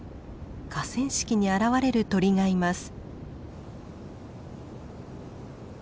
河川敷に現れる鳥がいます。